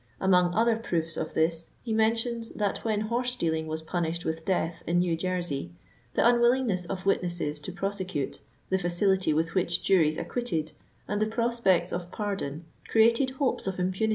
Among other proofs of this, he men tions that when horse stealing was punished with death in New Jersey, " the unwillingness of witnesses to prosecute, the facility with irfiich juries acquitted, and the prospects of pardon, created hopes of impunity which invited and multiplied the oflense."